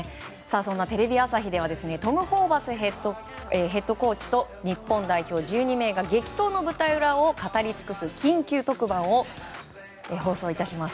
そんな、テレビ朝日ではトム・ホーバスヘッドコーチと日本代表１２名が激闘の舞台裏を語りつくす緊急特番を放送いたします。